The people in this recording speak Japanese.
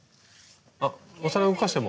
あお皿動かしても。